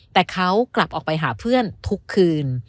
แต่เขากลับออกไปหาเพื่อนทุกคืน